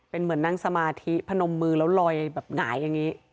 เป็นเหมือนนั่งสมาธิพนมมือแล้วลอยแบบหงายอย่างนี้